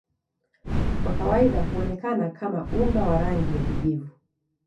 Kwa kawaida huonekana kama unga wa rangi ya kijivu.